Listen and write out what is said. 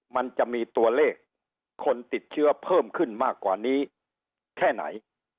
มันจะมีตัวเลขคนติดเชื้อเพิ่มขึ้นมากกว่านี้แค่ไหน